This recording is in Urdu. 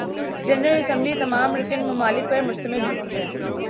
جنرل اسمبلی تمام رکن ممالک پر مشتمل ہوتی ہے